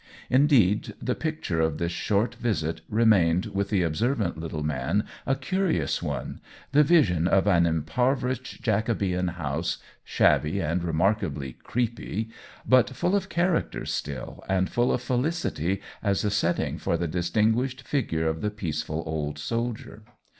Indeed, the picture of this short visit remained with the observant little man a curious one — ,the vision of an impoverished Jacobean house, shabby and remarkably "creepy," but full of character still and full of felicity as a setting for the distinguished figure of the peaceful old sol dier.